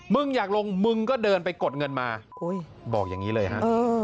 อยากลงมึงก็เดินไปกดเงินมาบอกอย่างนี้เลยฮะ